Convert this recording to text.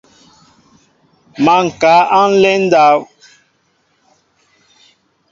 Má ŋkă a nlen ndáw.